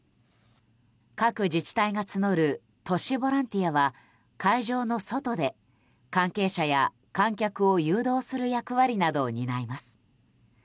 各自治体が募る都市ボランティアは会場の外で関係者や観客を誘導する役割などを担います。